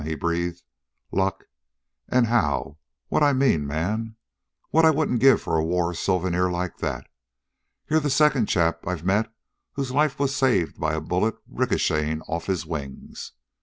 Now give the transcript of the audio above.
he breathed. "Luck, and how, what I mean! Man, what I wouldn't give for a war souvenir like that! You're the second chap I've met whose life was saved by a bullet ricocheting off his wings.